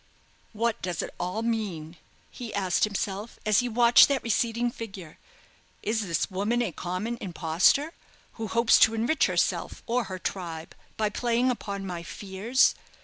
"What does it all mean?" he asked himself, as he watched that receding figure. "Is this woman a common impostor, who hopes to enrich herself, or her tribe, by playing upon my fears?